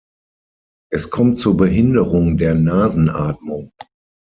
Es kommt zur Behinderung der Nasenatmung.